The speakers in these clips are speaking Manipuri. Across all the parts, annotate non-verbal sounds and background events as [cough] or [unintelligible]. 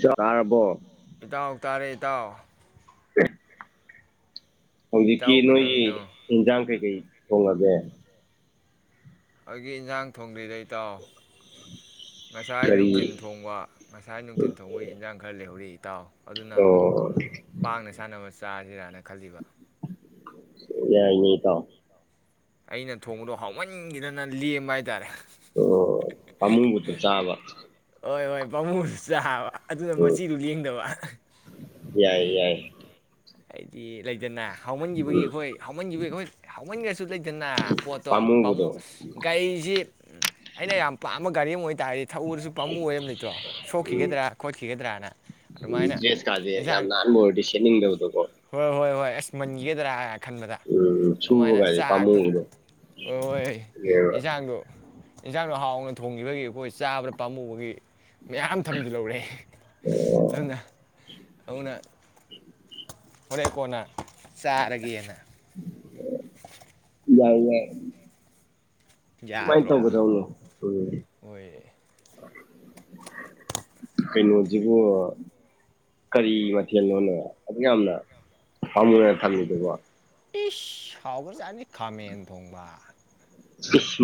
ꯇꯥꯔꯕꯣ ꯏꯇꯥꯎ ꯇꯥꯔꯦ ꯏꯇꯥꯎ ꯍꯧꯖꯤꯛꯀꯤ ꯏꯇꯥꯎ ꯅꯣꯏꯒꯤ ꯀꯩꯗꯧꯔꯤꯅꯣ ꯏꯟꯖꯥꯡ ꯀꯩꯀꯩ ꯇꯣꯡꯉꯒꯦ ꯑꯩꯒꯤ ꯏꯟꯖꯥꯡ ꯊꯣꯡꯗꯤꯗꯩ ꯏꯇꯥꯎ ꯉꯁꯥꯏ ꯀꯔꯤ ꯅꯨꯡꯊꯤꯤꯟ ꯊꯣꯡꯕ ꯉꯁꯥꯏ ꯅꯨꯡꯊꯤꯟ ꯊꯣꯡꯕꯒꯤ ꯏꯟꯖꯥꯡ ꯈꯔ ꯂꯩꯍꯧꯔꯤ ꯏꯇꯥꯎ ꯑꯗꯨꯅ ꯑꯣ ꯄꯥꯡꯅ ꯁꯥꯟꯅꯕ ꯆꯥꯁꯤꯔꯥꯅ ꯈꯜꯂꯤꯕ ꯌꯥꯏꯅꯦ ꯏꯇꯥꯎ ꯑꯩꯅ ꯊꯣꯡꯕꯗꯣ ꯍꯥꯎꯃꯟꯈꯤꯗꯅ ꯂꯦꯝꯕ ꯍꯥꯏꯇꯥꯔꯦ ꯑꯣ ꯄꯥꯃꯨꯕꯗꯣ ꯆꯥꯕ ꯍꯣꯏ ꯍꯣꯏ ꯄꯥꯝꯃꯨꯁꯨ ꯆꯥꯕ ꯑꯗꯨꯅ ꯎꯝ ꯃꯆꯤꯗꯨ ꯂꯦꯡꯗꯕ ꯌꯥꯏ ꯌꯥꯏ ꯍꯥꯏꯗꯤ ꯂꯩꯗꯅ ꯍꯧꯥꯎꯃꯟꯈꯤꯕꯒꯤ ꯎꯝ ꯑꯩꯈꯣꯏ ꯍꯥꯎꯃꯟꯈꯤꯕꯒꯤ ꯑꯩꯈꯣꯏ ꯋꯥ ꯁꯨ ꯂꯩꯗꯅ ꯄꯣꯠꯇꯣ ꯄꯥꯝꯃꯨ ꯄꯥꯝꯃꯨꯕꯗꯣ ꯒꯥꯔꯤꯁꯤ ꯑꯩꯅ ꯌꯥꯝ ꯄꯥꯝꯃ ꯒꯥꯔꯤ ꯃꯣꯏ ꯇꯔꯗꯤ ꯊꯛꯎꯔꯁꯨ ꯄꯥꯝꯃꯨ ꯑꯣꯏꯕꯅꯤꯇꯣ ꯎꯝ ꯁꯣꯛꯈꯤꯒꯗ꯭ꯔꯥ ꯈꯣꯠꯈꯤꯒꯗ꯭ꯔꯅ ꯎꯝ ꯑꯗꯨꯃꯥꯏꯅ ꯗ꯭ꯔꯦꯁ ꯀꯥꯁꯦ ꯌꯥꯝ ꯌꯦꯟꯁꯥꯡ ꯅꯥꯟꯕ ꯑꯣꯏꯔꯗꯤ ꯁꯦꯠꯅꯤꯡꯗꯕꯗꯣꯀꯣ ꯍꯣꯏ ꯍꯣꯏ ꯍꯣꯏ ꯑꯁ ꯃꯟꯒꯗ꯭ꯔꯥ ꯈꯟꯕꯗ ꯎꯝ ꯑꯗꯨꯃꯥꯏꯅ ꯁꯨꯕꯒꯁꯦ ꯆꯥꯛꯇꯣ ꯄꯥꯝꯃꯨꯕꯗꯣ ꯍꯣꯏ ꯍꯣꯏ ꯍꯣꯏ ꯑꯗꯨꯅꯦꯕ ꯌꯦꯟꯖꯥꯡꯗꯣ ꯏꯟꯁꯥꯡꯅꯣ ꯍꯥꯎꯅ ꯊꯣꯡꯈꯤꯕꯒꯤ ꯑꯩꯈꯣꯏ ꯆꯥꯕꯗ ꯄꯥꯝꯃꯨꯕꯒꯤ ꯃꯌꯥꯝ ꯊꯝꯁꯨ ꯂꯧꯔꯦ ꯑꯣ ꯑꯗꯨꯅ ꯑꯃꯅ ꯍꯣꯔꯦ ꯀꯣꯟꯅ ꯆꯥꯔꯒꯦꯅ ꯌꯥꯏ ꯌꯥꯏ ꯃꯥꯏ ꯇ ꯌꯥꯗ꯭ꯔꯣ ꯀꯗꯅ ꯍꯣꯏ ꯀꯩꯅꯣꯁꯤꯕꯨ ꯀꯔꯤ ꯃꯊꯦꯜꯅꯣꯅꯣ ꯑꯗꯨꯛ ꯌꯥꯝꯅ ꯄꯥꯎꯝꯃꯤꯅ ꯊꯝꯃꯤꯗꯨꯕ ꯍꯕꯅꯤ ꯈꯥꯃꯦꯟ ꯊꯣꯡꯕ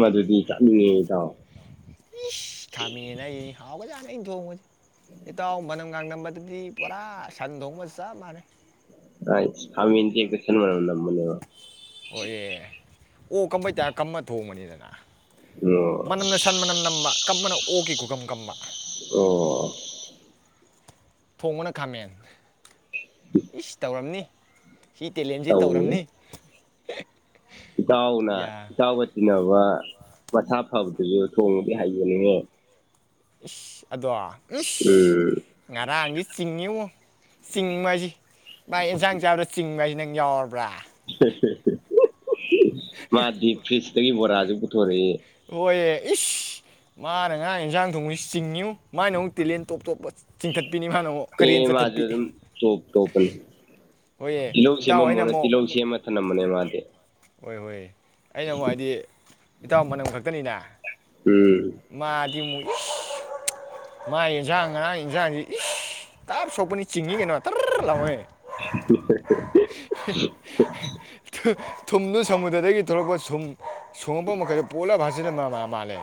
ꯃꯥꯗꯨꯗꯤ ꯌꯥ ꯊꯥꯎꯕꯖꯥꯅ ꯑꯩꯅ ꯊꯣꯡꯕꯁꯦ ꯏꯇꯥꯎ ꯃꯅꯝꯒꯥꯡꯂꯝꯝꯕꯗꯗꯤ ꯄꯨꯔꯥ ꯁꯟ ꯊꯣꯡꯕꯁ ꯆꯞ ꯃꯥꯟꯅꯩ ꯑ ꯁꯇ ꯈꯦꯟꯂꯝꯃ ꯃꯔꯔꯅ ꯑꯣꯏ ꯑꯦ ꯑꯣ ꯀꯝꯕꯩ ꯇꯥ ꯀꯝꯃ ꯊꯣꯡꯕꯅꯤꯗꯅ ꯑꯣ ꯃꯅꯝꯅ ꯁꯟ ꯃꯅꯝ ꯅꯝꯕ ꯀꯞꯃꯅ ꯑꯣꯛꯈꯤ ꯈꯨꯨꯀꯝ ꯀꯝꯕ ꯑꯣ ꯊꯣꯡꯕꯅ ꯈꯥꯃꯦꯟ ꯏ ꯇꯧꯔꯝꯅꯤ ꯁꯤ ꯇꯦꯂꯦꯟꯁꯤ ꯇꯧꯋꯤ ꯇꯧꯔꯝꯅꯤ ꯏꯇꯥꯎꯅ ꯌꯥ ꯏꯇꯥꯎꯒ ꯇꯤꯟꯅꯕ ꯄꯊꯥ ꯐꯕꯗ ꯑꯗꯨꯁꯨ ꯊꯣꯡꯗ ꯍꯥꯏ ꯅꯉꯦ ꯏ ꯑꯗꯋꯥ ꯏꯁ ꯎꯝ ꯉꯔꯥꯡ ꯑꯪꯗꯤ ꯆꯤꯡꯅꯤꯌ ꯆꯤꯡꯁꯤ ꯃꯥꯥꯏ ꯏꯟꯁꯥꯡ ꯆꯥꯕꯗ ꯆꯤꯡ ꯍꯥꯏꯁꯤ ꯅꯪ ꯌꯥꯎꯔꯕ꯭ꯔꯥ ꯍ ꯃꯥꯗꯤꯞ ꯐꯤꯁ ꯑꯒꯤ ꯕꯣꯔꯥꯥꯁ ꯄꯨꯊꯣꯔꯛꯏꯦ ꯍꯣꯏ ꯏꯁ ꯃꯥꯅ ꯉꯥ ꯏꯟꯖꯥꯡ ꯊꯣꯡꯕꯁꯤ ꯆꯤꯡꯉꯌꯨ ꯃꯥꯏꯅ ꯑꯃꯨꯛ ꯇꯦꯂꯦꯟ ꯇꯣꯞ ꯇꯣꯞꯄ ꯆꯤꯡꯈꯠ ꯑꯦ ꯃꯥꯁꯨ ꯑꯗꯨꯝ ꯇꯣꯞ ꯇꯣꯞꯄꯅꯤ ꯍꯣꯏꯌꯦ ꯇꯤꯜꯍꯧ ꯏꯇꯥꯎ ꯑꯩꯅ ꯁꯦꯝꯃꯝꯃꯣꯅꯦ ꯑꯃꯨꯛ ꯇꯤꯜꯍꯧ ꯁꯦꯝꯃ ꯊꯝꯂꯝꯝꯕꯅꯦ ꯃꯥꯗꯤ ꯍꯣꯏ ꯍꯣꯏ ꯑꯩꯅ ꯑꯃꯨꯛ ꯍꯥꯏꯗꯤ ꯏꯇꯥꯎ ꯃꯅꯝ ꯈꯛꯇꯅꯤꯅ ꯎꯝ ꯃꯥꯗꯤ ꯃꯨ ꯃꯥꯏ ꯌꯦꯖꯥ ꯉꯅꯥ ꯌꯦꯖꯥꯡꯁꯤ ꯏ ꯇꯞ ꯁꯣꯛꯄꯅꯤ ꯆꯤꯡꯉꯤ ꯀꯩꯅꯣ ꯇꯔ ꯂꯥꯎꯦ ꯇ ꯊꯨꯝꯗꯨ ꯁꯃꯨꯗ꯭ꯔꯗꯒꯤ ꯊꯣꯛꯂꯛꯄ ꯁꯨꯝ ꯁꯣꯡꯕꯣ ꯃꯈꯩ ꯄꯣꯂꯚꯥꯁꯥ ꯅꯥ ꯃꯥꯂꯦ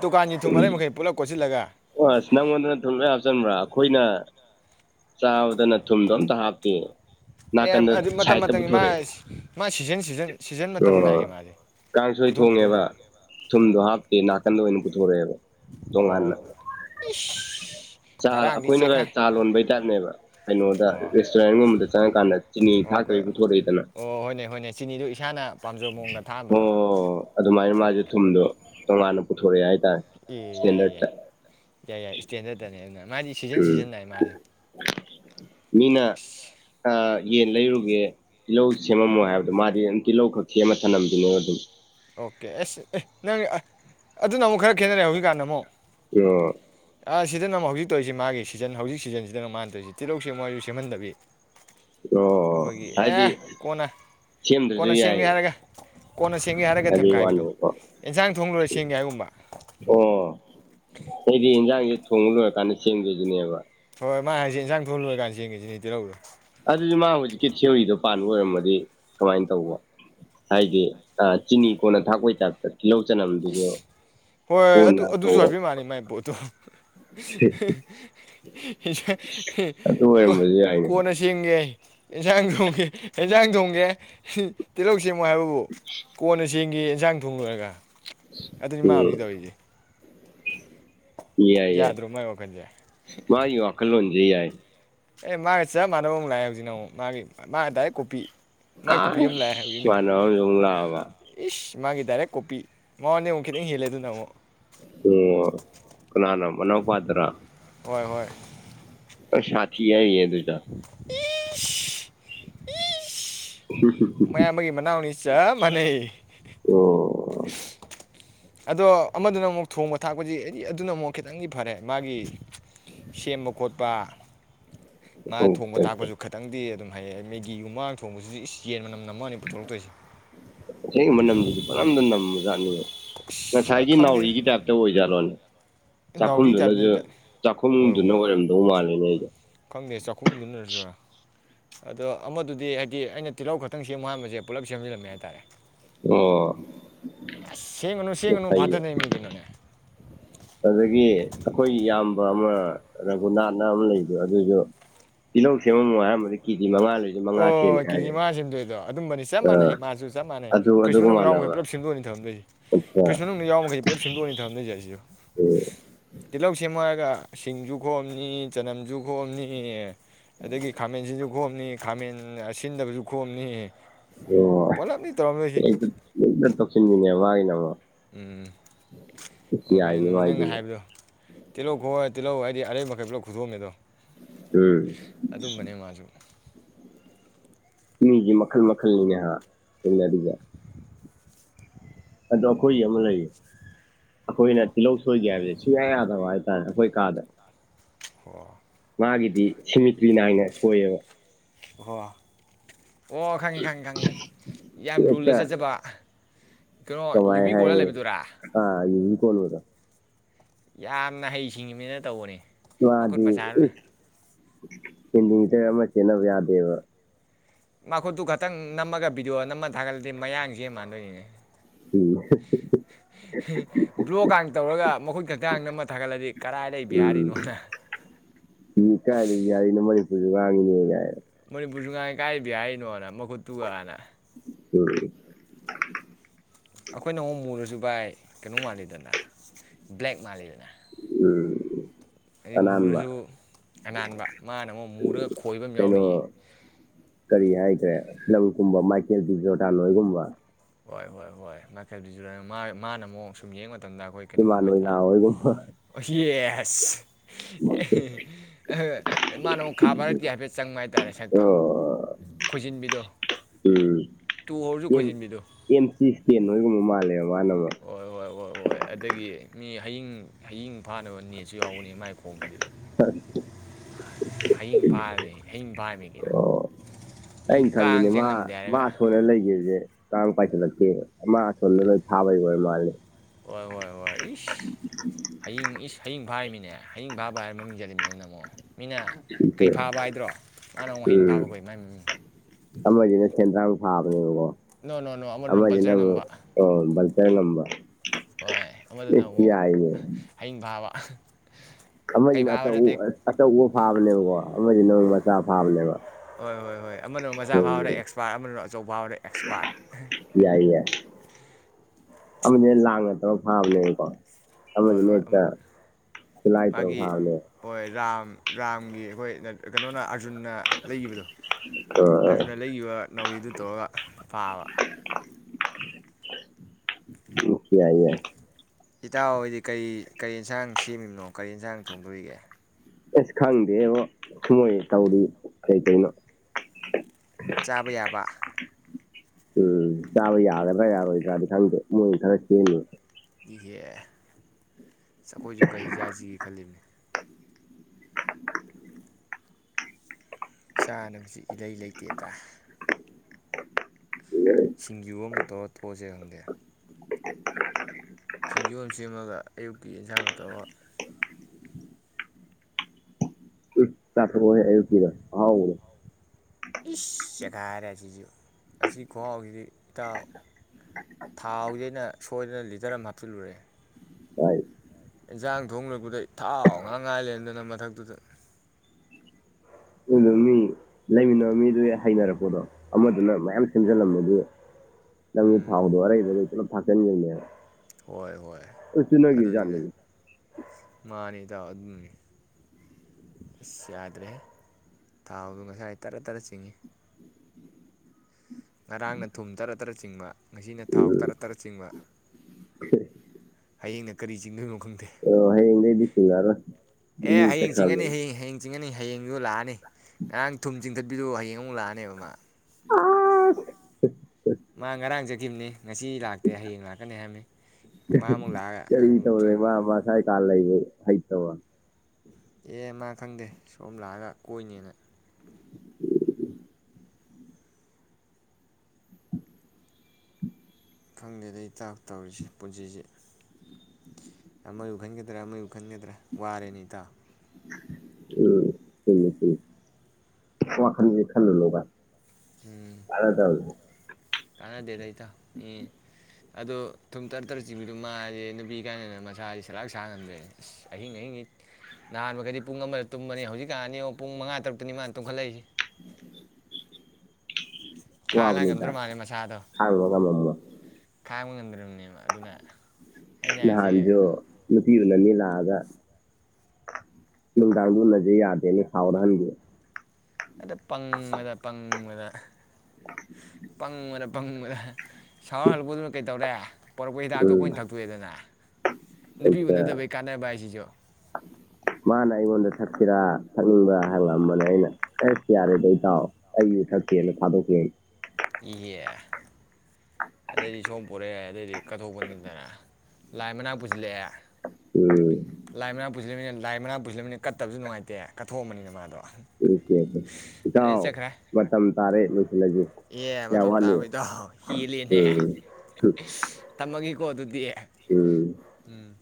ꯇꯒꯥꯟ ꯊꯨꯝꯕ ꯂꯩꯦ ꯃꯈꯩ ꯄꯨꯣꯏꯁꯤꯜꯂꯒ ꯑꯁ ꯅꯪꯉꯣꯟꯗꯅ ꯊ ꯂ ꯍꯥꯞꯆꯟꯕ꯭ꯔꯥ ꯑꯩꯈꯣꯏꯅ ꯆꯥꯎꯥꯕꯗꯅ ꯊꯨꯝꯗꯣ ꯑꯝꯇ ꯍꯥꯞꯇꯦ ꯑꯦ ꯅꯥꯀꯟꯗ ꯑꯗꯨ ꯃꯇꯝ ꯁꯥꯏꯠꯇ ꯃꯇꯝꯒꯤ ꯃꯥ ꯄꯨꯊꯣꯔꯛꯑꯦ ꯃꯥ ꯁꯤꯖꯟ ꯁꯤꯖꯟ ꯁꯤꯖꯟ ꯃꯇꯝ ꯑꯣ ꯅꯥꯏꯌꯦ ꯃꯥꯁꯦ ꯀꯥꯡꯁꯣꯏ ꯈꯨꯊꯣꯡ ꯊꯣꯡꯉꯦꯕ ꯈꯨꯊꯣꯡꯁꯦ ꯊꯨꯝꯗꯣ ꯍꯥꯞꯇꯦ ꯅꯥꯀꯟꯗ ꯑꯣꯏꯅ ꯄꯨꯊꯣꯔꯛꯑꯦꯕ ꯑꯣ ꯇꯣꯉꯥꯟꯅ ꯏꯁ ꯆꯥ ꯉꯔꯥꯡꯗꯤ ꯑꯩꯈꯣꯏꯅꯒ ꯆꯦꯈꯥꯏ ꯆꯥ ꯂꯣꯟꯕꯩ ꯇꯥꯏꯞꯅꯦꯕ ꯀꯩꯅꯣꯗ ꯑꯣ ꯔꯦꯁꯇꯨꯔꯦꯟꯒꯨꯝꯕꯗ ꯆꯪꯉꯀꯥꯟꯗ ꯆꯤꯅꯤ ꯑꯣ ꯊꯥꯛꯇꯩ ꯄꯨꯊꯣꯔꯛꯏꯗꯅ ꯑꯣ ꯍꯣꯏꯅꯦ ꯍꯣꯏꯅꯦ ꯆꯤꯅꯤꯗꯨ ꯏꯁꯥꯅ ꯄꯥꯝꯖꯕ ꯃꯑꯣꯡꯗ ꯊꯥꯛꯍꯟꯕꯗꯣ ꯑꯣ ꯑꯗꯨꯃꯥꯏꯅ ꯑꯣ ꯃꯥꯁꯦ ꯊꯨꯝꯗꯣ ꯇꯣꯉꯅ ꯄꯨꯊꯣꯔꯑꯦ ꯍꯥꯏꯗꯤ ꯑꯦ ꯌꯥꯏ ꯌꯥꯏ ꯆꯠꯇ ꯌꯥꯏ ꯌꯥꯏ ꯌꯥꯏ ꯏꯁꯇꯦꯟꯗꯔꯗꯅꯦ ꯑꯗꯨꯅ ꯃꯥꯗꯤ ꯁꯤꯖꯟ ꯁꯤꯖꯟꯅ ꯍꯥꯏ ꯃꯥꯗꯤ ꯃꯤꯅ ꯑ ꯌꯦꯟ ꯂꯩꯔꯨꯒꯦ ꯇꯤꯜꯍꯧ ꯁꯦꯝꯃꯝꯃꯣ ꯍꯥꯏꯕꯗꯣ ꯃꯥꯗꯤ ꯑꯗꯨ ꯇꯤꯜꯍꯧ ꯈꯛ ꯁꯦꯝꯃ ꯊꯝꯂꯝꯝꯃꯤꯅꯦ ꯑꯗꯨꯝ ꯑꯣꯀꯦ ꯑꯦꯁ ꯑꯦ ꯅꯪ ꯑꯗꯨꯅ ꯑꯃꯨꯛ ꯈꯔ ꯈꯦꯠꯅꯔꯦ ꯍꯧꯖꯤꯛꯀꯥꯟꯗ ꯑꯃꯨꯛ ꯑꯣ ꯁꯤꯗꯅ ꯑꯃꯨꯛ ꯍꯧꯖꯤꯛ ꯇꯧꯔꯤꯁꯤ ꯃꯥꯒꯤ ꯁꯤꯖꯟ ꯍꯧꯖꯤꯛ ꯁꯤꯖꯟꯁꯤꯗꯅꯨꯛ ꯃꯥꯅ ꯇꯧꯔꯤꯁꯤ ꯇꯤꯜꯍꯧꯁꯦꯝꯃꯣ ꯍꯥꯏꯁꯨ ꯁꯦꯝꯍꯟꯗꯕꯤ ꯑꯣ ꯑꯩꯈꯣꯏꯒꯤ ꯍꯥꯏꯗꯤ ꯑꯦ ꯀꯣꯟꯅ ꯁꯦꯝꯗ꯭ꯔꯁꯨ ꯀꯣꯟꯅ ꯁꯦꯝꯒꯦ ꯌꯥꯏ ꯍꯥꯏꯔꯒ ꯀꯣꯟꯅ ꯆꯦꯡꯒꯦ ꯍꯥꯏꯔꯒ ꯑꯗꯨꯒꯤ ꯊꯝꯒꯥꯏꯕꯤꯗꯣ ꯋꯥꯅꯦꯕꯀꯣ ꯌꯦꯟꯁꯥꯡ ꯊꯣꯡꯂꯣꯏꯔ ꯆꯦꯡꯒꯦ ꯍꯥꯏꯒꯨꯝꯕ ꯑꯣ ꯑꯩꯗꯤ ꯌꯦꯟꯖꯥꯡꯁꯦ ꯊꯣꯡꯉ ꯂꯣꯏꯔꯀꯥꯟꯗ ꯁꯦꯝꯒꯦꯁꯤꯅꯦꯕ ꯍꯣꯏ ꯃꯥ ꯍꯥꯏꯁꯦ ꯏꯟꯁꯥꯡ ꯊꯣꯡ ꯂꯣꯏꯔꯀꯥꯟꯗ ꯁꯦꯝꯒꯦ ꯁꯤꯅꯦ ꯇꯦꯜ ꯍꯧꯗꯣ ꯑꯗꯨꯗꯤ ꯃꯥ ꯍꯧꯖꯤꯛꯀꯤ ꯊꯤꯑꯣꯔꯤꯗꯣ ꯄꯥꯟꯕ ꯑꯣꯏꯔꯝꯃꯗꯤ ꯀꯃꯥꯏꯅ ꯇꯧꯕ ꯍꯥꯏꯗꯤ ꯆꯤꯅꯤ ꯀꯣꯟꯅ ꯊꯥꯛꯄꯩ ꯇꯥꯏꯞꯇ ꯇꯤꯜꯍꯧ ꯏꯁ ꯆꯅꯝꯗꯨꯁꯨ ꯍꯣ ꯍꯣꯏ ꯑꯗꯨ ꯀꯣꯟꯅ ꯑꯗꯨꯁꯨ ꯊꯧꯕ ꯍꯥꯏꯕꯤ ꯃꯥꯜꯂ ꯃꯥꯏ ꯄꯣꯠꯇꯣ ꯑꯗꯨ ꯑꯣꯏꯔꯝꯕꯁꯨ ꯌꯥꯏꯅꯦ ꯀꯣꯟꯅ ꯁꯦꯝꯒꯦꯌꯦ꯫ ꯌꯦꯟꯁꯥꯡ ꯊꯣꯡꯒꯦ ꯑꯦꯟꯁꯥꯡ ꯊꯣꯡꯒꯦ ꯇꯤꯜꯍꯧ ꯁꯦꯝꯃꯨ ꯍꯥꯏꯕꯕꯨ ꯀꯣꯟꯅ ꯁꯦꯝ ꯁꯦꯝꯒꯦꯌꯦ ꯏꯟꯖꯥꯡ ꯊꯣꯡꯂꯣꯏꯔꯒꯥ ꯑꯗꯨꯅꯤ ꯃꯥ ꯎꯝ ꯍꯨꯖꯤꯛ ꯇꯧꯔꯤꯁꯦ꯫ ꯌꯥꯏ - ꯌꯥꯏ ꯌꯥꯗ꯭ꯔꯣ ꯃꯥꯏ ꯋꯥꯈꯜꯁꯦ ꯃꯥꯒꯤ ꯋꯥꯈꯜꯂꯣꯟꯅꯤ꯫ ꯌꯥꯏ ꯑꯦ ꯃꯥꯒ ꯆꯞ ꯃꯥꯟꯅꯕ ꯑꯃꯃꯨꯛ ꯂꯥꯝꯑ ꯍꯧꯖꯤꯛꯅ ꯑꯃꯨꯛ ꯃꯥꯒꯤ ꯃꯥ ꯗꯥꯏꯔꯦꯛ ꯀꯣꯄꯤ ꯃꯥꯏ ꯀꯣꯄꯤ ꯑꯁ ꯑꯃ ꯂꯥꯛꯑꯦ ꯍꯥꯏꯕꯒꯤꯅꯦ ꯏꯃꯥꯟꯅꯕ ꯏꯁ ꯃꯥꯒꯤ ꯗꯥꯏꯔꯦꯛ ꯀꯣꯄꯤ ꯃꯉꯣꯟꯗ ꯑꯃꯨꯛ ꯈꯤꯇꯪ ꯍꯦꯜꯂꯦ ꯑꯗꯨꯅ ꯑꯃꯨꯛ꯫ ꯑꯃꯁꯨ ꯑꯃꯨꯛ ꯂꯥꯛꯑꯕ ꯑꯣ ꯀꯅꯥꯅꯣ ꯃꯅꯥꯎꯄꯥꯗꯨꯔꯣ ꯍꯣꯏ - ꯍꯣꯏ ꯫ ꯁꯥꯊꯤ ꯌꯥꯏꯌꯦ꯫ [unintelligible] ꯏꯁ ꯏꯁ꯫ [unintelligible] ꯆꯞ ꯃꯥꯅꯩ ꯫ ꯑꯣ꯫ ꯑꯗꯣ ꯑꯃꯗꯨꯅ ꯑꯃꯨꯛ ꯊꯣꯡꯕ ꯊꯥꯛꯄꯁꯤ ꯑꯩꯗꯤ ꯑꯗꯨꯅ ꯑꯃꯨꯛ ꯈꯤꯇꯪꯗꯤ ꯐꯔꯦ ꯃꯥꯒꯤ ꯁꯦꯝꯕ ꯈꯣꯠꯄ ꯃꯥ ꯊꯣꯡꯕ ꯊꯥꯛꯄꯁꯨ ꯈꯤꯇꯪꯗꯤ ꯑꯗꯨꯝ ꯍꯩ ꯌꯦ ꯃꯤꯒꯤ ꯃꯅꯥ ꯊꯣꯡꯕꯁꯤꯗꯤ ꯏꯁ ꯌꯦꯟ ꯃꯅꯝ ꯅꯝꯃꯅꯤ ꯄꯨꯊꯣꯔꯛꯇꯣꯏꯁꯦ ꯃꯅꯝꯗꯨꯗꯤ ꯄꯪꯅꯝꯗ ꯅꯝꯕꯥ ꯖꯠꯅꯤꯗ꯫ ꯏꯁ ꯉꯁꯥꯏꯒꯤ ꯈꯪꯗꯦꯗ ꯅꯥꯎꯔꯤꯒꯤ ꯇꯥꯏꯞꯇ ꯑꯣꯏꯖꯠꯂꯣꯅꯦ? ꯅꯥꯎꯔꯤ ꯆꯥꯛꯈꯨꯝꯗꯨꯅꯖꯨ ꯇꯥꯏꯞꯇꯅꯤꯗ ꯍꯣꯏ ꯍꯣꯏ ꯆꯥꯛꯈꯨꯝꯗꯨꯅ ꯑꯣꯏꯔꯝꯗꯧ ꯃꯥꯜꯂꯦꯅꯦ ꯑꯩꯗꯤ꯫ ꯈꯪꯗꯦ ꯆꯥꯛꯈꯨꯝꯗꯨ ꯅꯥꯖꯨꯔꯥ꯫ ꯑꯗꯣ ꯑꯃꯗꯨꯗꯤ ꯍꯥꯏꯗꯤ ꯑꯩꯅ ꯇꯤꯜꯍꯧ ꯈꯛꯇꯪ ꯁꯦꯝꯃꯨ ꯍꯥꯟꯕꯁꯦ ꯄꯨꯂꯞ ꯁꯦꯝꯖꯤꯜꯂꯝꯃꯦ ꯍꯥꯏꯇꯥꯔꯦ꯫ ꯑꯣ ꯁꯦꯝꯒꯅꯨ- ꯁꯦꯝꯒꯅꯨ ꯐꯩꯅꯦ ꯐꯠꯊꯥꯅꯩꯅꯤ ꯀꯩꯅꯣꯅꯦ꯫ ꯑꯗꯒꯤ ꯑꯩꯈꯣꯏ ꯏꯌꯥꯝꯕ ꯑꯃꯒ ꯔꯒꯨꯅꯥꯠ ꯑꯃ ꯂꯩꯕꯗ ꯑꯗꯨꯁꯨ ꯇꯤꯜꯍꯧ ꯁꯦꯝꯃꯃꯨ ꯍꯥꯏꯔꯝꯕꯗꯤ ꯀꯦꯖꯤ ꯃꯉꯥ ꯂꯩꯔꯤꯁꯦ ꯃꯉꯥ ꯁꯦꯝꯃꯦ ꯑꯣ ꯀꯦꯖꯤ ꯍꯥꯏꯌꯦ ꯃꯉꯥ ꯁꯦꯝꯗꯣꯏꯗꯣ ꯑꯗꯨꯝꯕꯅꯤ ꯆꯞ ꯑꯥ ꯃꯥꯟꯅꯩ ꯃꯥꯁꯨ ꯆꯞ ꯃꯥꯟꯅꯩ ꯑꯗꯨ ꯐ꯭ꯔꯤꯖ ꯑꯗꯨꯒ ꯃꯅꯨꯡ ꯌꯥꯎꯃꯈꯩ ꯃꯥꯟꯅꯕ꯭ꯔꯥ ꯄꯨꯂꯞ ꯁꯦꯝꯗꯣꯛꯑꯅꯤ ꯊꯝꯗꯣꯏꯁꯦ ꯑꯠꯆꯥ ꯐ꯭ꯔꯤꯖ ꯃꯅꯨꯡꯗ ꯌꯥꯎꯕꯃꯈꯩꯗꯤ ꯄꯨꯂꯞ ꯁꯦꯝꯗꯣꯛꯑꯅꯤ ꯊꯝꯗꯣꯏꯁꯦ ꯑꯩꯁꯤꯁꯨ꯫ ꯑꯣ꯫ ꯇꯤꯜꯍꯧ ꯁꯦꯝꯃꯨ ꯍꯥꯏꯔꯒ ꯁꯤꯡꯖꯨ ꯈꯣꯛꯑꯝꯅꯤ ꯆꯅꯝꯁꯨ ꯈꯣꯛꯑꯝꯅꯤ꯫ ꯑꯗꯒꯤ ꯈꯥꯃꯦꯟꯁꯤꯁꯨ [unintelligible] ꯈꯥꯃꯦꯟ ꯑꯁꯤꯟꯗꯕꯁꯨ ꯈꯣꯛ ꯑꯃꯅꯤ꯫ ꯑꯣ ꯍꯦꯛꯇꯥ ꯇꯧꯁꯤꯟꯗꯅꯦ ꯃꯒꯤꯗꯣ [inaudible] ꯎꯝ ꯑꯣꯀꯦ ꯌꯥꯏꯅꯦ ꯅ ꯅꯪꯅ ꯃꯥꯏꯗꯨꯅ ꯍꯥꯏꯕꯗꯣ ꯇꯤꯜꯍꯧ ꯈꯣ ꯇꯤꯜꯍꯧ ꯑꯩ ꯑ ꯑꯔꯩ ꯃꯈꯩ ꯄꯨꯂꯞ ꯈꯣꯛꯇꯣꯛꯑꯝꯃꯦꯗꯣ ꯎꯝ ꯃꯥꯁꯨ ꯃꯤꯖꯦ ꯃꯈꯜ ꯃꯈꯜꯅꯤꯅꯦꯍ ꯊꯦꯡꯅꯔꯤꯖꯦ ꯑꯗꯣ ꯑꯩꯈꯣꯏꯒꯤ ꯑꯃ ꯂꯩꯌꯦ ꯑꯩꯈꯣꯏꯅ ꯇꯤꯜꯍꯧ ꯁꯣꯏꯒꯦ ꯍꯥꯏꯕꯁꯦ ꯁꯨꯡꯌꯥ ꯌꯥꯗꯕ ꯍꯥꯏꯇꯥꯔꯦ ꯑꯩꯈꯣꯏ ꯀꯥꯗ [inaudible] ꯃꯥꯒꯤꯗꯤ ꯁꯤꯃꯤꯇ꯭ꯔꯤ ꯅꯥꯏꯅ ꯁꯣꯏꯌꯦꯕ ꯋꯥ ꯑꯣ ꯈꯪꯉꯤ ꯈꯪꯉꯤ ꯈꯪꯉꯤ ꯌꯥꯝ ꯔꯨꯜꯗ ꯍꯦꯛꯇ ꯆꯠꯆꯕ ꯀꯩꯅꯣ ꯀꯃꯥꯏ ꯌꯨꯕꯤ ꯀꯣꯜꯂ ꯍꯥꯏꯌꯦ ꯂꯩꯕꯗꯨꯔꯥ [inaudible] ꯌꯥꯝꯅ ꯍꯩꯁꯤꯡꯉꯤꯅꯤꯅ ꯇꯧꯕꯅꯤ ꯃꯈꯨꯠ ꯋꯥꯗꯤ ꯃꯁꯥꯗꯨꯅ ꯁꯦꯟꯇꯤꯃꯤꯇꯔ ꯑꯃꯥ ꯅꯦ ꯆꯦ ꯅꯕ ꯌꯥꯗꯕ ꯃꯈꯨꯠꯇꯨ ꯈꯛꯇꯪ ꯅꯝꯃꯒ ꯚꯤꯗꯤꯑꯣ ꯅꯝꯃ ꯊꯥꯒꯠꯂꯗꯤ ꯃꯌꯥꯡꯁꯤ ꯃꯥꯟꯗꯣꯏꯅꯤꯅꯦ ꯎꯝ ꯕ꯭ꯂꯣꯒ ꯇꯧꯔꯒ ꯃꯈꯣꯏ ꯈꯆꯥꯡ ꯅ ꯑꯃ ꯊꯥꯒꯠꯂꯗꯤ ꯀꯗꯥꯥꯏꯗꯩ ꯎꯝ ꯕꯤꯍꯔꯤꯅꯣꯅ ꯃꯤ ꯀꯥꯏꯗꯒꯤ [inaudible] ꯃꯅꯤꯄꯨꯔꯁꯨ ꯉꯥꯏ ꯀꯥꯏꯕꯤ ꯍꯥꯏꯔꯤꯅꯣꯅ ꯃꯈꯨꯠ ꯇꯨꯒꯅ ꯎꯝ ꯑꯩꯈꯣꯏꯅ ꯑꯃꯨꯛ ꯃꯨꯔꯁꯨ ꯚꯥꯏ ꯀꯩꯅꯣ ꯃꯥꯜꯂꯤꯗꯅ ꯕ꯭ꯂꯦꯛ ꯃꯥꯜꯂꯤꯗꯅ ꯎꯝ ꯍꯥꯏꯩ ꯑꯅꯥꯟꯕ ꯃꯨꯔꯁꯨ ꯑꯅꯥꯟꯕ ꯃꯥꯅ ꯑꯃꯨꯛ ꯃꯨꯔꯒ ꯈꯣꯏꯕ ꯑꯃ ꯌꯥꯎꯔꯤꯌꯦ ꯒꯨꯝꯕ ꯃꯥꯏꯀꯦꯜ ꯕꯤꯖꯣꯗꯥ ꯅꯣꯏꯒꯨꯝꯕ ꯍꯣꯏ ꯍꯣꯏ ꯍꯣꯏ ꯅꯠꯇꯔꯗꯤ ꯌꯨꯔꯥꯏ ꯃꯥꯅꯃꯨꯛ ꯁꯨꯝ ꯌꯦꯡꯕ ꯃꯇꯝ ꯃꯇꯝꯗ ꯑꯩꯈꯣꯏ ꯏꯃꯥꯟ ꯀꯩꯅꯣꯒꯨꯝꯕ ꯍꯣꯏ ꯂꯥ ꯍꯥꯏꯇꯥꯔꯦ ꯍꯣꯏꯒꯨꯝꯕ ꯑꯁꯤ ꯑꯁ ꯃꯥꯅ ꯑꯃꯨꯛ ꯈꯥꯕꯥꯔꯗꯤ ꯍꯥꯏꯐꯦꯠ ꯆꯪꯕ ꯍꯥꯏꯇꯥꯔꯦ ꯁꯛꯇꯣ ꯑꯣ ꯈꯣꯏꯖꯤꯟꯕꯤꯗꯣ ꯇꯨ ꯍꯧꯔꯁꯨ ꯎꯝ ꯈꯣꯏꯖꯤꯟꯕꯤꯗꯣ ꯑꯦꯝ ꯁꯤ ꯀꯤꯟ ꯅꯣꯏꯒꯨꯝꯕ ꯃꯥꯂꯦꯕ ꯋꯥꯂꯕ ꯍꯣꯏ ꯍꯣꯏ ꯍꯣꯏ ꯍꯣꯏ ꯑꯗꯒꯤ ꯃꯤ ꯍꯌꯤꯡ ꯍꯌꯤꯡ ꯐꯥꯅꯕ ꯅꯦꯠꯁꯨ ꯌꯥꯎꯒꯅꯤ ꯃꯥꯏꯈꯣꯡꯗꯗꯤ ꯐꯔ ꯍꯌꯤꯡ ꯄꯥꯔꯝꯃꯦ ꯍꯌꯤꯡ ꯄꯥꯔꯃꯤ ꯀꯩꯅꯣ ꯑꯣ ꯃꯤ ꯑꯩꯅ ꯀꯥꯡ ꯈꯜꯂꯤꯅꯦ ꯆꯦꯟ ꯃꯥ ꯉꯝꯗꯦ ꯃꯥ ꯍꯥꯏꯔꯒ ꯊꯣꯟꯅ ꯂꯩꯈꯤꯕꯁꯦ ꯀꯥꯡ ꯄꯥꯏ ꯁꯜꯂꯛꯇꯦꯕ ꯑ ꯆꯅꯅꯣꯏ ꯊꯥꯕꯒꯤ ꯑꯣꯏ ꯃꯥ ꯍꯔꯤ ꯍꯣꯏ ꯍꯣꯏ ꯍꯣꯏ ꯏꯁ ꯍꯌꯤꯡ ꯏꯁꯁ ꯍꯌꯤꯡ ꯐꯥꯔꯤꯃꯤꯅꯦ ꯍꯌꯤꯡ ꯐꯥꯕ ꯍꯥꯏꯔ ꯃꯃꯤꯡ ꯆꯠꯂꯤꯅꯤꯅ ꯅꯪꯅꯃꯣꯛ ꯃꯤꯅ ꯁꯤꯁꯦ ꯀꯩ ꯐꯥꯕ ꯍꯥꯏꯗ꯭ꯔꯣ ꯃꯥꯅ ꯑꯃꯨꯛ ꯍꯌꯤꯡ ꯎꯝ ꯐꯥꯕꯈꯣꯏ ꯃꯥꯏ ꯑꯃꯁꯤꯅ ꯁꯦꯟꯗ꯭ꯔꯥꯡ ꯐꯥꯕꯅꯦꯕꯀꯣ ꯅꯣ ꯅꯣ ꯅꯣ ꯑꯃꯗꯨꯅ ꯑꯃꯁꯤꯅ ꯕꯜꯆꯔ ꯉꯝꯕ ꯑꯃꯨꯛ ꯑꯣ ꯕꯜꯇꯔ ꯉꯝꯕ ꯍꯣꯏ ꯑꯃꯗꯨꯅ ꯑꯦꯁ ꯑꯃꯨꯛ ꯍꯌꯤꯡ ꯐꯥꯕ ꯀꯩ ꯑꯃꯅ ꯐꯥꯕ ꯑꯆꯧ ꯅꯠꯇꯦ ꯑꯆꯧꯕ ꯐꯥꯕꯅꯦꯕꯀꯣ ꯑꯃꯁꯤ ꯃꯆꯥ ꯐꯕꯅꯦꯕ ꯍꯣꯏ ꯍꯣꯏ ꯍꯣꯏ ꯑꯃꯅ ꯃꯆꯥ ꯐꯥꯕꯗ ꯑꯦꯛꯁꯄꯥꯔꯠ ꯑꯃꯅ ꯑꯆꯧ ꯐꯥꯕꯗ ꯑꯦꯛꯁꯄꯥꯔꯠ ꯌꯥꯏ ꯌꯥꯏ ꯃꯥ ꯂꯩꯔꯤꯕꯣ ꯍꯣꯏ ꯑꯃꯖꯤꯅ ꯍꯦꯠꯇ ꯍꯣꯏ ꯈꯨꯠꯂꯥꯏ ꯇꯧꯔ ꯐꯕꯅꯦ ꯎꯝ ꯔꯥꯝꯒꯤ ꯑꯩꯈꯣꯏ ꯀꯩꯅꯣꯅ ꯑꯥꯔꯖꯨꯟꯅ ꯂꯩꯒꯤꯕꯗꯨ ꯑ ꯑ ꯑꯥꯔꯖꯨꯟꯅ ꯂꯩꯈꯤꯕ ꯅꯥꯎꯔꯤꯗꯨ ꯇꯧꯔꯒ ꯐꯥꯕ ꯎꯝ ꯌꯥꯏ ꯌꯥꯏ ꯏꯇꯥꯎ ꯍꯣꯏꯗꯤ ꯀꯔꯤ ꯀꯔꯤ ꯌꯦꯟꯁꯥꯡ ꯁꯦꯝꯃꯤꯕꯅꯣ ꯀꯔꯤ ꯌꯦꯟꯁꯥꯡ ꯊꯣꯡꯗꯣꯔꯤꯒꯦ ꯑꯁ ꯈꯪꯗꯦꯕꯣ ꯁꯨꯝꯃꯣꯏ ꯇꯧꯔꯤ ꯀꯩ ꯀꯩꯅꯣ ꯆꯥꯕ ꯌꯥꯕ ꯎꯝ ꯆꯥꯕ ꯌꯥꯒ꯭ꯔ ꯗ꯭ꯔ ꯌꯥꯔꯣꯏꯗ꯭ꯔꯗꯤ ꯈꯪꯗꯦ ꯃꯣꯏ ꯈꯔ ꯁꯦꯝꯃꯤ ꯏꯍꯦ ꯑꯈꯣꯏꯁꯨ ꯀꯔꯤ ꯆꯥꯁꯤꯒꯦ ꯈꯜꯂꯤꯕꯅꯤ ꯆꯥꯅꯕꯁꯤ ꯏꯂꯩ ꯂꯩꯇꯦꯗ ꯁꯤꯡꯖꯨ ꯑꯃ ꯇꯧꯔ ꯊꯣꯛꯑꯁꯤꯔ ꯈꯪꯗꯦ ꯁꯤꯡꯖꯨ ꯑꯃ ꯁꯦꯝꯃꯒ ꯑꯌꯨꯛꯀꯤ ꯌꯦꯟꯁꯥꯡꯗꯨ ꯇꯧꯔ ꯆꯥꯊꯣꯛꯑꯣꯍꯦ ꯑꯌꯨꯛꯀꯤ ꯑꯍꯥꯎꯕꯗꯨ ꯏꯁ ꯆꯦꯈꯥꯏꯔꯦ ꯑꯁꯤꯁꯨ ꯑꯁꯤ ꯈꯨꯍꯥꯎꯁꯤꯗꯤ ꯏꯇꯥꯎ ꯊꯥꯎꯁꯤ ꯑꯩꯅ ꯁꯣꯏꯗꯅ ꯂꯤꯇꯔ ꯑꯃ ꯍꯥꯞꯆꯤꯜꯂꯨꯔꯦ ꯏꯟꯁꯥꯡ ꯊꯣꯡꯂꯣꯏꯕꯒ ꯊꯥꯎ ꯉꯥꯡ ꯉꯥꯏ ꯂꯩꯔꯝꯗꯅ ꯃꯊꯛꯇꯨꯗ ꯑꯗꯨ ꯃꯤ ꯂꯩꯃꯤꯟꯅꯕ ꯃꯤꯗꯨꯒꯤ ꯍꯩꯅꯔꯛꯄꯗꯣ ꯑꯃꯗꯨꯅ ꯃꯌꯥꯝ ꯁꯦꯝꯖꯤꯜꯂꯝꯕꯒꯤ ꯅꯪꯒꯤ ꯊꯥꯎꯗꯣ ꯑꯔꯩꯗꯣ ꯑꯔꯩꯕ ꯄꯨꯂꯞ ꯊꯥꯛꯆꯟꯂꯤꯅꯦ ꯍꯣꯏ ꯍꯣꯏ ꯑꯗꯨꯅꯤꯅꯦ ꯆꯨꯅꯈꯤꯕꯖꯥꯠꯅꯤꯅꯦ ꯃꯥꯅꯤ ꯏꯇꯥꯎ ꯑꯗꯨꯝꯅꯤ ꯑꯁ ꯌꯥꯗ꯭ꯔꯦꯍꯦ ꯊꯥꯎꯗꯣ ꯉꯁꯥꯏ ꯇꯔꯥ ꯇꯔꯥ ꯆꯤꯡꯏꯤ ꯉꯔꯥꯡꯅ ꯊꯨꯝ ꯇꯔꯥ ꯇꯔꯥ ꯆꯤꯡꯕ ꯉꯁꯤꯅ ꯊꯥꯎ ꯇꯔꯥ ꯇꯔꯥ ꯆꯤꯡꯕ ꯍ ꯍꯌꯦꯡꯅ ꯀꯔꯤ ꯆꯤꯡꯗꯣꯏꯅꯣ ꯈꯪꯗꯦ ꯑꯣ ꯍꯥꯌꯦꯡꯗꯩꯗꯤ ꯆꯤꯡꯉꯔꯣꯏ ꯍꯌꯦꯡꯁꯨ ꯂꯥꯛꯑꯅꯤ ꯉꯔꯥꯡ ꯊꯨꯝ ꯆꯤꯡꯗ ꯕꯤꯗꯑꯣ ꯍꯌꯦꯡ ꯑꯃꯨꯛꯥꯛꯑꯅꯦꯕ ꯃꯥ ꯑ ꯃꯥ ꯉꯔꯥꯡ ꯆꯠꯈꯤꯕꯅꯤ ꯉꯁꯤ ꯂꯥꯛꯇꯦ ꯍꯌꯦꯡ ꯂꯥꯛꯀꯅꯤ ꯍꯥꯏꯕꯅꯤ ꯃꯥ ꯑꯃꯨꯛ ꯂꯥꯛꯑꯒ ꯆꯥ ꯂꯩꯕ ꯍꯩꯇꯧꯔ ꯑꯦ ꯃꯥ ꯈꯪꯗꯦ ꯁꯣꯝ ꯂꯥꯛꯑꯒ ꯀꯣꯏꯅꯦꯅ ꯈꯪꯗꯦꯗ ꯏꯇꯥꯎ ꯇꯧꯔꯤꯁꯡꯁ ꯇꯧꯔꯤꯁꯦ ꯄꯨꯟꯁꯤꯁꯦ ꯑꯃꯕꯨ ꯈꯟꯒꯗ꯭ꯔꯥ ꯑꯃꯕꯨ ꯈꯟꯒꯗ꯭ꯔꯥ ꯋꯥꯔꯦꯅꯤ ꯏꯇꯥꯎ ꯎꯝ ꯋꯥꯃ ꯈ ꯈꯜꯂꯨꯅꯨ ꯚꯥꯏ ꯀꯥꯟꯅꯗꯃꯦ ꯀꯥꯅꯗꯦꯗ ꯏꯇꯥꯎ ꯑꯗꯣ ꯊꯨꯝ ꯇꯔꯨ ꯇꯔꯨꯛ ꯆꯤꯡꯕꯤꯗꯨꯣ ꯃꯥꯜꯁꯦ ꯅꯨꯄꯤ ꯀꯥꯏꯅꯅ ꯃꯁꯥꯁꯤ ꯁꯂꯥꯛ ꯁꯥꯥꯡ ꯉꯝꯗ꯭ꯔꯦ ꯑꯁ ꯑꯍꯤꯡ ꯑꯍꯤꯡꯒꯤ ꯅꯍꯥꯟ ꯃꯈꯈꯩꯗꯤ ꯄꯨꯡ ꯑꯃꯗ ꯇꯨꯝꯕꯅꯤ ꯍꯧꯖꯤꯛꯀꯥꯟꯅꯤ ꯌꯦꯉꯛ ꯄꯨꯡ ꯃꯉꯥ ꯇꯔꯨꯛꯇꯅꯤ ꯃꯥꯅ ꯇꯨꯝꯈꯠꯂꯛꯏꯦ ꯈꯥꯡ ꯂꯥꯡ ꯋꯥꯕꯅꯤꯗ ꯉꯝꯗ꯭ꯔ ꯃꯥꯜꯂꯦ ꯃꯁꯥꯗꯣ ꯊꯪꯂꯗ ꯃꯃ ꯈꯥꯡꯕ ꯉꯝꯗ꯭ꯔꯕꯅꯦꯕ ꯑꯗꯨꯅ ꯑꯩꯅ ꯍꯥꯏꯁꯦ ꯅꯍꯥꯟꯁꯨ ꯅꯨꯄꯤꯗꯨꯅꯅꯤ ꯂꯥꯛ ꯑꯗ ꯅꯨꯡꯗꯥꯡꯁꯨ ꯎꯟꯅꯁꯦ ꯌꯥꯗꯦꯅ ꯁꯥꯎꯔꯒ ꯍꯟꯒꯦ ꯑꯗ ꯄꯪꯕꯗ ꯄꯪꯕꯗ ꯄꯪꯕꯗ ꯄꯪꯕꯗ ꯁꯥꯎꯔ ꯍꯜꯂꯛꯄꯗꯨꯅ ꯀꯩꯗꯧꯔꯦ ꯄꯣꯔꯛꯄ ꯍꯤꯗꯥꯛꯇꯣ ꯎꯝ ꯑꯩꯈꯣꯏꯅ ꯊꯛꯇꯣꯛꯑꯦꯗꯅꯦ ꯅꯨꯄꯤꯕꯨ ꯍꯦꯛꯇ ꯎꯅꯗꯕꯩ ꯀꯥꯟꯅꯕ ꯍꯥꯏꯁꯤꯁꯨ ꯃꯥꯅ ꯑꯩꯉꯣꯟꯗ ꯊꯛꯁꯤꯔꯥ ꯊꯛꯅꯤꯡꯕ꯭ꯔꯥ ꯍꯪꯉꯛꯑꯝꯕꯅꯦ ꯑꯩꯅ ꯑꯩꯁ ꯌꯥꯔꯦꯗ ꯏꯇꯥꯎ ꯑꯩ ꯌꯨ ꯊꯛꯇꯦꯅ ꯊꯥꯗꯣꯛꯈꯤꯕꯅꯦ ꯏꯍꯑꯦ ꯑꯗꯩꯗꯤ ꯁꯣꯝ ꯄꯣꯔꯛꯑꯦ ꯑꯗꯩꯗꯤ ꯀꯠꯊꯣꯛꯄꯅꯤꯗꯅ ꯂꯥꯏ ꯃꯅꯥꯛ ꯄꯨꯁꯤꯜꯂꯛꯑꯦ ꯂꯥꯏ ꯃꯅꯥꯛ ꯄꯨꯁꯤꯜꯂꯃꯤꯅꯤꯅ ꯂꯥꯏ ꯃꯅꯥꯛ ꯄꯨꯁꯤꯜꯂꯕꯅꯤꯅ ꯀꯠꯇꯕꯁꯨ ꯅꯨꯡꯉꯥꯏꯇꯦ ꯀꯠꯊꯣꯛꯑꯝꯕꯅꯤꯅ ꯃꯥꯗꯣ ꯑꯣꯀꯦꯀ ꯑꯗꯩ ꯏꯇꯥꯎ ꯆꯠꯈ꯭ꯔꯦ ꯃꯇꯝ ꯇꯥꯔꯦ ꯂꯣꯏꯁꯤꯜꯂꯁꯤ ꯑꯦ ꯌꯥꯝ ꯃꯇꯝ ꯋꯥꯠꯂꯤ ꯇꯥꯔꯕ ꯍꯦꯂꯦꯅꯦ ꯎꯝ ꯊꯝꯃꯒꯦ ꯀꯣ ꯑꯗꯨꯗꯤ ꯎꯝ ꯎꯝ